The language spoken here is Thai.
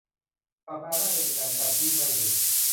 สัปดาห์หน้าจะมีการจัด วิ่งไล่ลุง